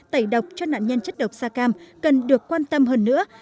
tẩy độc cho nạn nhân chất độc sacam cần được quan tâm hơn nữa